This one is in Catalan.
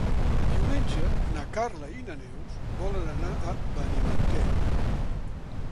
Diumenge na Carla i na Neus volen anar a Benimantell.